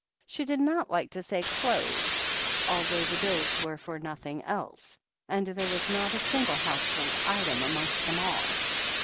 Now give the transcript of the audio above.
She did not like to say "clothes," although the bills were for nothing else, and there was not a single house hold item amongst them all.